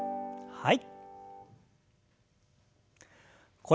はい。